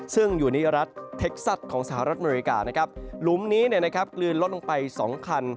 ซึ่งอยู่ในรัฐเท็กซัสของสหรัฐอเมริกานะครับหลุมนี้กลืนลดลงไป๒คัน